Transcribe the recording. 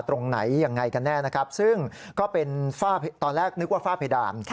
ตรงไหนยังไงกันแน่นะครับซึ่งก็เป็นฝ้าตอนแรกนึกว่าฝ้าเพดาน